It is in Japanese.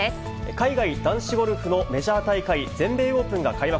海外男子ゴルフのメジャー大会、全米オープンが開幕。